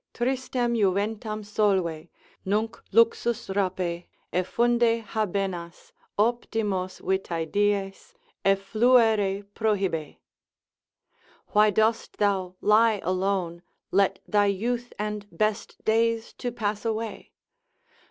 Tristem juventam solve: mine luxus rape, Effunde habenas, optimos vitae dies Effluere prohibe. Why dost thou lie alone, let thy youth and best days to pass away?